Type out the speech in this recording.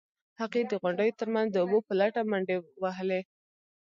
هغې د غونډیو ترمنځ د اوبو په لټه منډې وهلې.